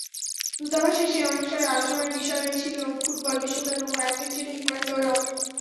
দূতাবাসের সেই অনুষ্ঠানে আলোচনার বিষয়ও ছিল ফুটবল, বিশ্বকাপ এবং আর্জেন্টিনা-ইংল্যান্ড দ্বৈরথ।